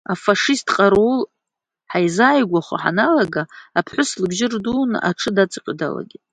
Афашист ҟарул ҳаизааигәахо ҳаналага аԥҳәыс лыбжьы рдуны аҽы даҵаҟьо далагеит.